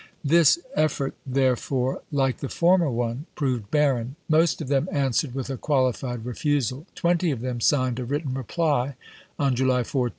This effort therefore, like the former one, proved barren : most of them answered with a qualified refusal ; twenty of them^ signed a written reply, on July 14, 1862.